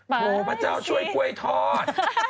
โหพระเจ้าช่วยกล้วยทอด